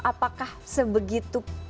apakah sebegitu kemampuan